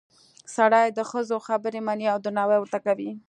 سړي د ښځو خبرې مني او درناوی ورته کوي